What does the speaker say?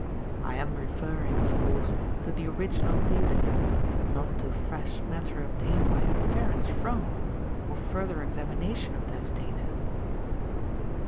I am referring, of course, to the original data, not to fresh matter obtained by inference from, or further examination of those data."